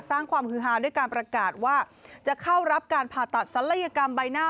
สร้างความฮือฮาด้วยการประกาศว่าจะเข้ารับการผ่าตัดศัลยกรรมใบหน้า